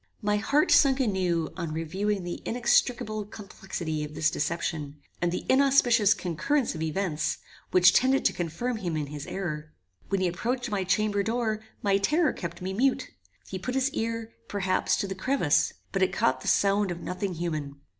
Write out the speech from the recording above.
My heart sunk anew on viewing the inextricable complexity of this deception, and the inauspicious concurrence of events, which tended to confirm him in his error. When he approached my chamber door, my terror kept me mute. He put his ear, perhaps, to the crevice, but it caught the sound of nothing human.